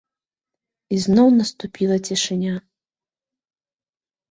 І зноў наступіла цішыня.